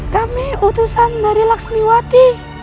kami utusan dari laksmiwati